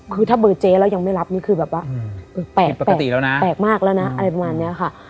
คือถ้าเบอร์เจ๊แล้วยังไม่รับนี่คือแบบว่าแปลกปกติแล้วนะแปลกมากแล้วนะอะไรประมาณนี้ค่ะ